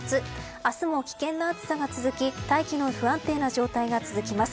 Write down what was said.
明日も危険な暑さが続き大気の不安定な状態が続きます。